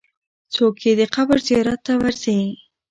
څوک یې د قبر زیارت ته ورځي؟